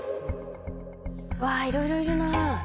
わあいろいろいるな。